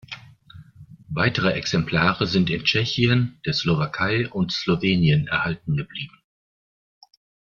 Weitere Exemplare sind in Tschechien, der Slowakei und Slowenien erhalten geblieben.